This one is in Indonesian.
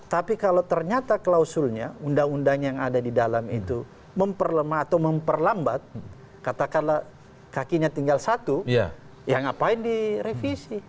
tapi kalau ternyata klausulnya undang undang yang ada di dalam itu memperlemah atau memperlambat katakanlah kakinya tinggal satu ya ngapain direvisi